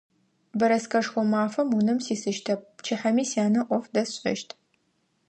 Бэрэскэшхо мафэм унэм сисыщтэп, пчыхьэми сянэ ӏоф дэсшӏэщт.